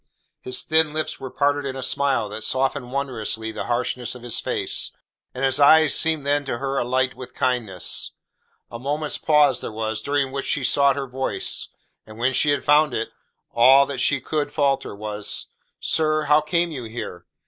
His thin lips were parted in a smile that softened wondrously the harshness of his face, and his eyes seemed then to her alight with kindness. A moment's pause there was, during which she sought her voice, and when she had found it, all that she could falter was: "Sir, how came you here?